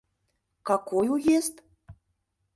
— Какой уезд?